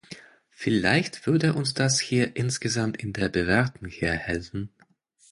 Vielleicht würde uns das hier insgesamt in der Bewertung hier helfen.